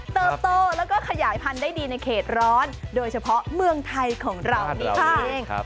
โตแล้วก็ขยายพันธุ์ได้ดีในเขตร้อนโดยเฉพาะเมืองไทยของเรานี่ค่ะ